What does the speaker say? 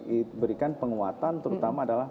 diberikan penguatan terutama adalah